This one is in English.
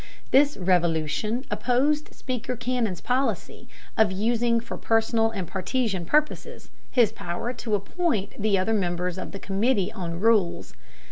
This "revolution" opposed Speaker Cannon's policy of using for personal and partisan purposes his power to appoint the other members of the committee on rules.